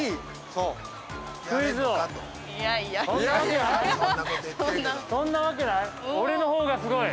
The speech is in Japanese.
◆そんなわけない？